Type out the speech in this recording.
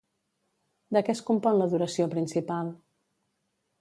De què es compon l'adoració principal?